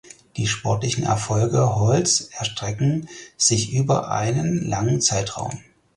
Die sportlichen Erfolge Holds erstrecken sich über einen langen Zeitraum.